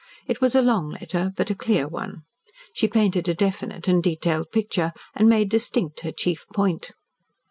It was a long letter, but a clear one. She painted a definite and detailed picture and made distinct her chief point.